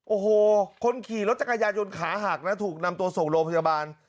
โอ้โหคนขี่รถจักรยายนขาหักนะถูกนำตัวส่งโรงพยาบาล